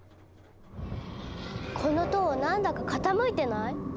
この塔何だか傾いてない？